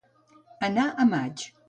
Anar a maig.